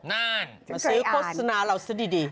นั่นมาซื้อโฆษณาเราซะดี